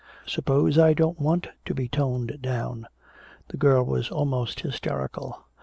"Suppose I don't want to be toned down!" The girl was almost hysterical.